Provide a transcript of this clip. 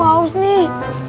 gimana kalau gitu